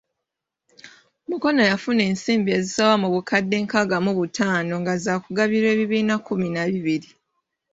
Mukono yafuna ensimbi ezisoba mu bukadde enkaaga mu butaano nga zaakugabirwa ebibiina kumi na bibiri.